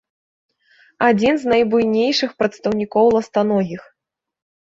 Адзін з найбуйнейшых прадстаўнікоў ластаногіх.